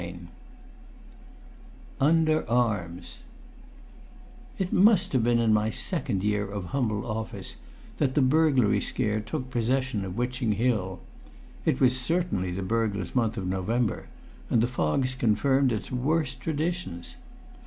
CHAPTER VI Under Arms It must have been in my second year of humble office that the burglary scare took possession of Witching Hill. It was certainly the burglars' month of November, and the fogs confirmed its worst traditions.